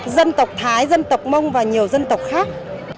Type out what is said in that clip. dân tộc thái dân tộc mông và nhiều dân tộc khác